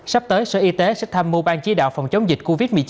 sắp tới sở y tế sẽ tham mưu ban chí đạo phòng chống dịch covid một mươi chín